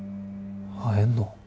会えんの？